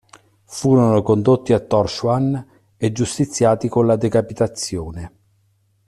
Furono condotti a Tórshavn e qui giustiziati con la decapitazione.